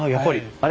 あれ？